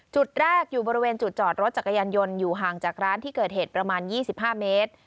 จุดแรกอยู่บริเวณจุดจอดรถจักรยานยนต์อยู่ห่างจากร้านที่เกิดเหตุประมาณ๒๕เมตร